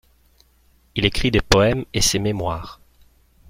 Il écrit des poèmes, et ses mémoires.